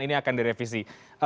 ini akan direvisi